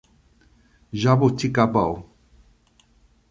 Jaboticabal